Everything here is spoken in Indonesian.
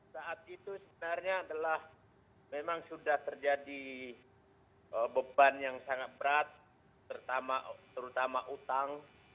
saat itu sebenarnya adalah memang sudah terjadi beban yang sangat berat terutama utang